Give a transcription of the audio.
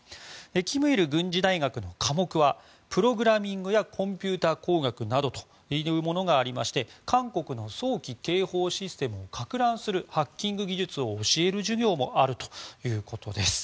キムイル軍事大学の科目はプログラミングやコンピューター工学などというものがありまして韓国の早期警報システムをかく乱するハッキング技術を教える授業もあるということです。